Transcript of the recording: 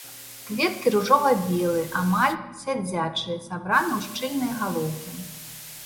Кветкі ружова-белыя, амаль сядзячыя, сабраны ў шчыльныя галоўкі.